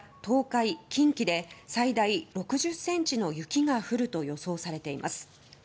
東海・近畿で最大６０ｃｍの雪が降ると予想されています。